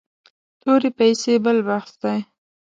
تورې پیسې بل بحث دی.